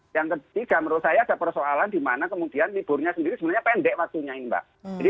yang ketiga menurut saya ada persoalan di mana kemudian liburnya sendiri sebenarnya pendek waktunya ini mbak